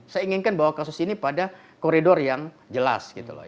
saya inginkan bahwa kasus ini pada koridor yang jelas